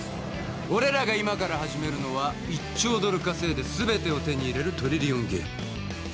俺らが今から始めるのは１兆ドル稼いで全てを手にする「トリリオンゲーム」。